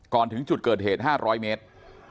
ถึงจุดเกิดเหตุ๕๐๐เมตร